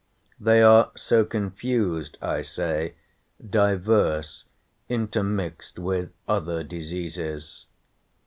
They are so confused, I say, diverse, intermixt with other diseases.